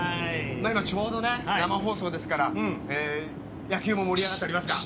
ちょうど生放送ですから野球も盛り上がってますが。